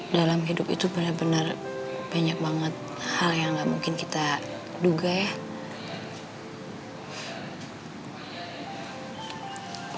dalam hidup itu benar benar banyak banget hal yang gak mungkin kita duga ya